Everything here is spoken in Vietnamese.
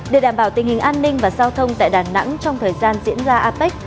để đảm bảo tình hình an ninh và giao thông tại đà nẵng trong thời gian diễn ra apec